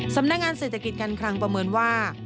สำนักงานเศรษฐกิจการคลังประเมินว่า